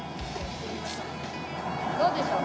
どうでしょう？